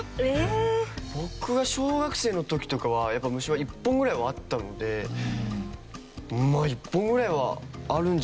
僕は小学生の時とかはやっぱ虫歯１本ぐらいはあったのでまあ１本ぐらいはあるんじゃないですかね